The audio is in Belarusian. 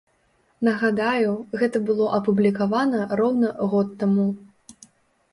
Нагадаю, гэта было апублікавана роўна год таму.